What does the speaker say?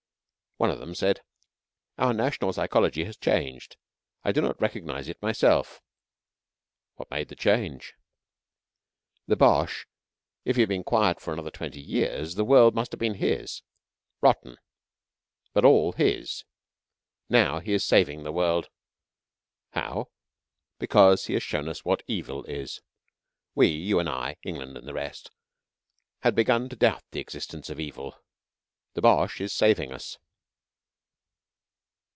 One of them said: "Our national psychology has changed. I do not recognize it myself." "What made the change?" "The Boche. If he had been quiet for another twenty years the world must have been his rotten, but all his. Now he is saving the world." "How?" "Because he has shown us what Evil is. We you and I, England and the rest had begun to doubt the existence of Evil. The Boche is saving us."